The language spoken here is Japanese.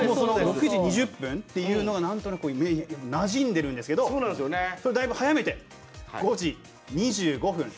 ６時２０分というのがなんとなくなじんでるんですけどだいぶ早めて５時２５分。